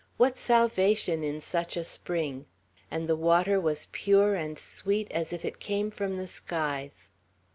What salvation in such a spring! And the water was pure and sweet as if it came from the skies.